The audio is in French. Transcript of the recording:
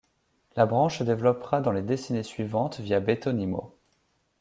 La branche se développera dans les décennies suivantes via Betonimmo.